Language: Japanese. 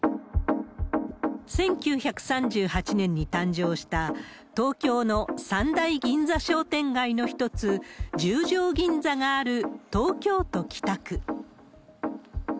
１９３８年に誕生した、東京の三大銀座商店街の一つ、十条銀座がある東京都北区。